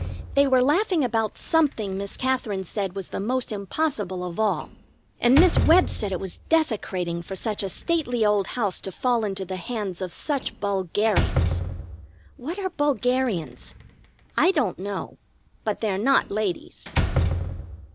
They were laughing about something Miss Katherine said was the most impossible of all, and Miss Webb said it was desecrating for such a stately old house to fall into the hands of such bulgarians. What are bulgarians? I don't know. But they're not ladies.